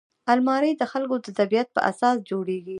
الماري د خلکو د طبعیت په اساس جوړیږي